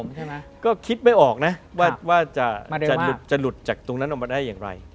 คุณพิษิฎก็คิดไม่ออกนะว่าจะหลุดจากตรงนั้นออกมาได้อย่างไร